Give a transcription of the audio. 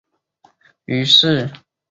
于是其校队由此得名。